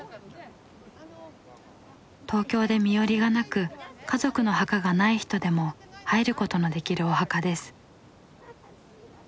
東京で身寄りがなく家族の墓がない人でも入ることのできるお墓です。